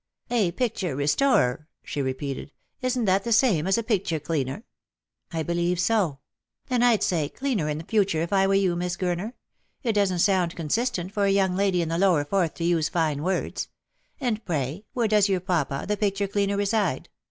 " A picture restorer !" she repeated. " Isn't that the same as a picture cleaner ?"" I believe so." " Then I'd say ' cleaner' in future if I were you, Miss Gurner. It doesn't sound consistent for a young lady in the lower fourth to use fine words. And, pray, where does your papa, the picture cleaner, reside